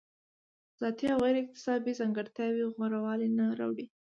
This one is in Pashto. ذاتي او غیر اکتسابي ځانګړتیاوې غوره والی نه راوړي.